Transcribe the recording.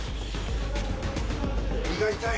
胃が痛い。